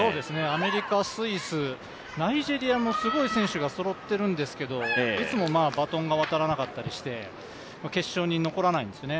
アメリカ、スイス、ナイジェリアもすごい選手がそろっているんですけどいつもバトンが渡らなかったりして決勝に残らないんですよね。